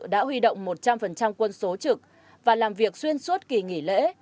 các giao thông trật tự đã huy động một trăm linh quân số trực và làm việc xuyên suốt kỳ nghỉ lễ